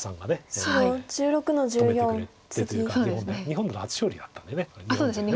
日本の初勝利だったんだよね。